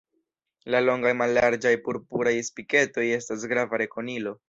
La longaj mallarĝaj purpuraj spiketoj estas grava rekonilo.